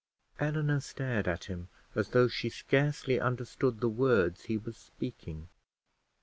Eleanor stared at him, as though she scarcely understood the words he was speaking.